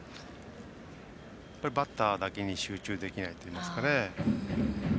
バッターだけに集中できないといいますかね。